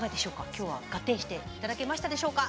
今日はガッテンして頂けましたでしょうか？